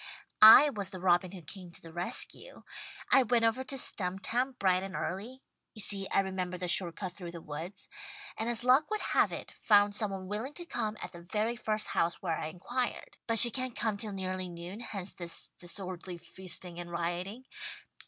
"I was the robin who came to the rescue. I went over to Stumptown bright and early you see I remembered the short cut through the woods and as luck would have it, found some one willing to come, at the very first house where I inquired. (But she can't come till nearly noon, hence this disorderly feasting and rioting.)